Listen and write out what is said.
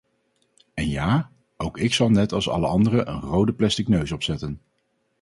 En ja, ook ik zal net als alle anderen een rode plastic neus opzetten.